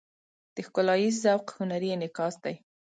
د ښکلاییز ذوق هنري انعکاس دی.